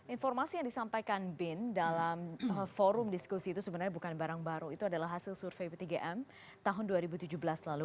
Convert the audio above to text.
informasi yang disampaikan bin dalam forum diskusi itu sebenarnya bukan barang baru itu adalah hasil survei p tiga m tahun dua ribu tujuh belas lalu